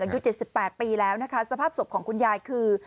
อายุ๗๘ปีแล้วนะคะสภาพศพของคุณยายคือ